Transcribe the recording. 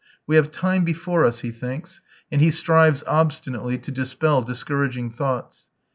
"We have time before us," he thinks, and he strives obstinately to dispel discouraging thoughts.